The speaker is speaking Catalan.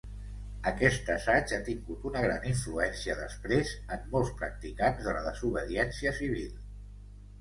Aquest assaig ha tingut una gran influència després en molts practicants de la desobediència civil.